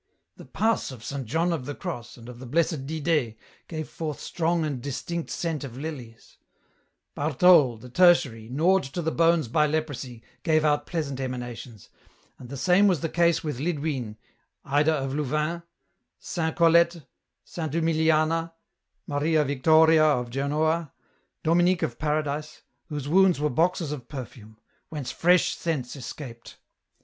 *' The pus of Saint John of the Cross and of hhe Blessed Didee gave forth strong and distinct scent of lilies ; Barthole, the tertiary, gnawed to the bones by leprosy, gave out pleasant emanations, and the same was the case with Lidwine, Ida of Louvain, Saint Colette, Saint Humiliana, Maria Victoria of Genoa, Dominic of Paradise, whose wounds were boxes of perfume, whence fresh scents escaped.